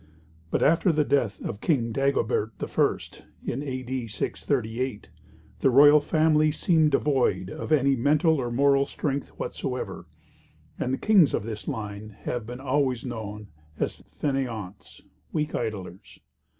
But after the death of King Dagobert I., in A.D. 638, the royal family seemed devoid of any mental or moral strength whatsoever, and the kings of this line have been always known as fainéants weak idlers.